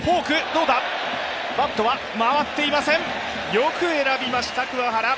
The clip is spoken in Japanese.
よく選びました桑原。